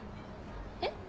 えっ？